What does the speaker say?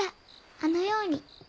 あのように。